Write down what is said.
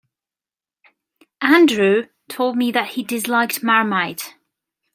Andrew told me that he disliked Marmite.